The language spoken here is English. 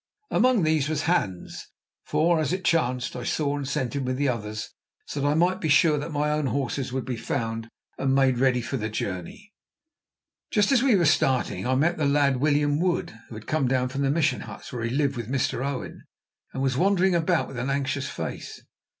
Among these was Hans, for, as it chanced, I saw and sent him with the others, so that I might be sure that my own horses would be found and made ready for the journey. Just as we were starting, I met the lad William Wood, who had come down from the Mission huts, where he lived with Mr. Owen, and was wandering about with an anxious face.